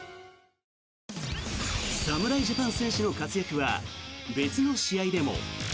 侍ジャパン戦士の活躍は別の試合でも。